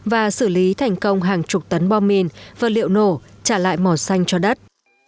và xử lý thành công hàng chục tấn bom mìn vật liệu nổ trả lại mỏ xanh cho đất